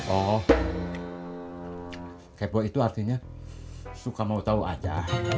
oh kepo itu artinya suka mau tahu aja